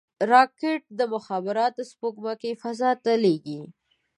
راکټ د مخابراتو سپوږمکۍ فضا ته لیږي